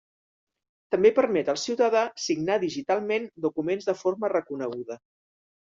També permet al ciutadà signar digitalment documents de forma reconeguda.